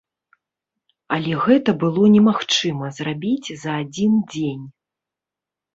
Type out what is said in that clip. Але гэта было немагчыма зрабіць за адзін дзень.